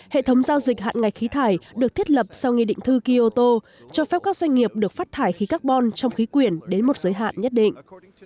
hệ thống giao dịch hạn ngạch khí thải được thiết lập sau nghị định thư kia ô tô cho phép các doanh nghiệp được phát thải khí carbon trong khí quyển đến một giới hạn nhất định